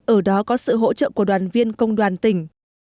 ở đó có sự hỗ trợ của đoàn viên công đoàn tỉnh